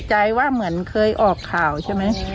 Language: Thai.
ใจว่าเหมือนเคยออกข่าวใช่ไหม